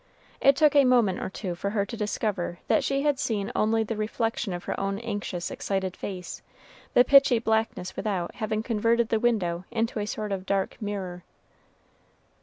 It took a moment or two for her to discover that she had seen only the reflection of her own anxious, excited face, the pitchy blackness without having converted the window into a sort of dark mirror.